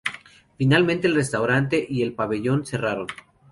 Finalmente, el restaurante y el Pabellón cerraron.